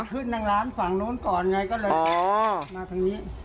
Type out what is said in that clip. ขึ้นด้านหลังฝั่งโน้นก่อนไงก็เลยมาทางนี้